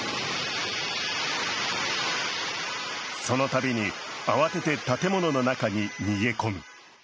そのたびに慌てて建物の中に逃げ込む。